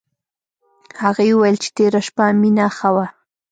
هغې وویل چې تېره شپه مينه ښه وه